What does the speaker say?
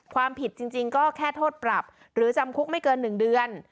ความผิดจริงก็แค่โทษปรับหรือจำคุกไม่เกิน๑เดือน